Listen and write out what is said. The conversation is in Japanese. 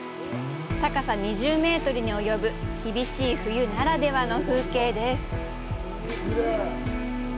高さ２０メートルに及ぶ厳しい冬ならではの風景です。